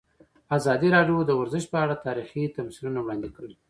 ازادي راډیو د ورزش په اړه تاریخي تمثیلونه وړاندې کړي.